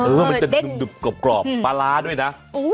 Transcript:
เออมันจะดึงดึกกรอบปลาร้าด้วยนะ